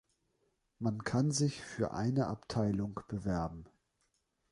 Man kann sich für eine Abteilung bewerben.